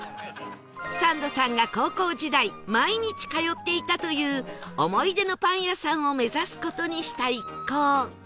サンドさんが高校時代毎日通っていたという思い出のパン屋さんを目指す事にした一行